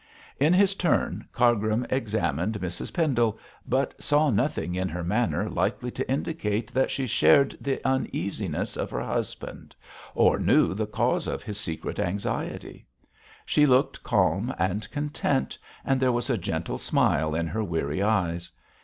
In his turn Cargrim examined Mrs Pendle, but saw nothing in her manner likely to indicate that she shared the uneasiness of her husband, or knew the cause of his secret anxiety. She looked calm and content, and there was a gentle smile in her weary eyes.